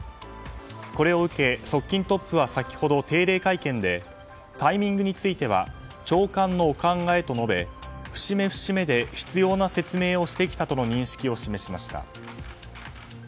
これを受け、側近トップは先ほど定例会見でタイミングについては長官のお考えと述べ節目節目で必要な説明をしてきたとの認識を示しました。